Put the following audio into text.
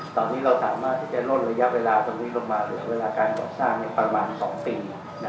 ตอนนี้เราสามารถที่จะล่นระยะเวลาตรงนี้ลงมาหรือเวลาการก่อสร้างประมาณ๒ปี